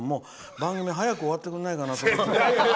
番組早く終わってくれないかなって。